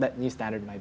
tapi saya sebenarnya